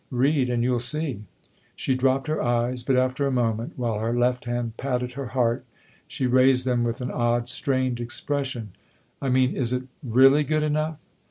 " Read and you'll see !" She dropped her eyes, but after a moment, while her left hand patted her heart, she raised them with an odd, strained expression. " I mean is it really good enough